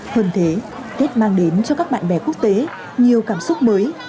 hơn thế tết mang đến cho các bạn bè quốc tế nhiều cảm xúc mới